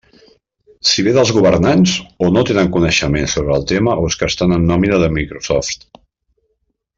Si ve dels governants, o no tenen coneixement sobre el tema o és que estan en nòmina de Microsoft.